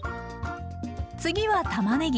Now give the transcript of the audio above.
次はたまねぎ。